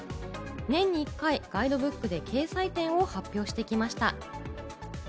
年に１回ガイドブックで掲載店を発表してきました。